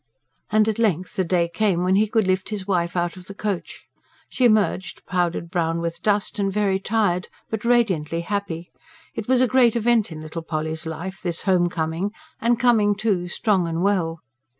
And at length the day came when he could lift his wife out of the coach. She emerged powdered brown with dust and very tired, but radiantly happy: it was a great event in little Polly's life, this homecoming, and coming, too, strong and well.